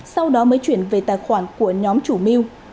sau đó mới chuyển về tài khoản của nhóm chủ mưu